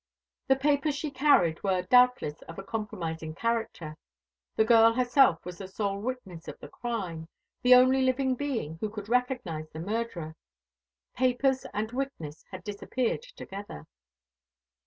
The papers she carried were doubtless of a compromising character; the girl herself was the sole witness of the crime, the only living being who could recognise the murderer. Papers and witness had disappeared together.